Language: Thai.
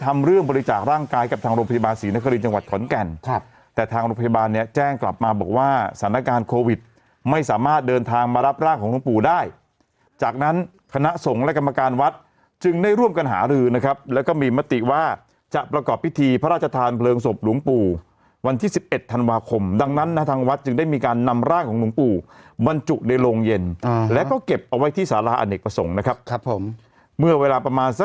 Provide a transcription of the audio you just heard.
มารับร่างของหลวงปู่ได้จากนั้นคณะสงฆ์และกรรมการวัดจึงได้ร่วมกันหาลือนะครับแล้วก็มีมติว่าจะประกอบพิธีพระราชทานเผลิงศพหลวงปู่วันที่๑๑ธันวาคมดังนั้นนะทางวัดจึงได้มีการนำร่างของหลวงปู่บรรจุในโลงเย็นอ่าแล้วก็เก็บเอาไว้ที่ศาลาอเอนกสงฆ์นะครับครับผมเมื่อเวลาประมาณส